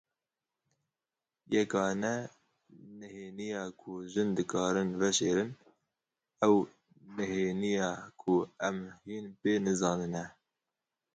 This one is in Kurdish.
Yekane nihêniya ku jin dikarin veşêrin, ew nihêniya ku em hîn pê nizanin e.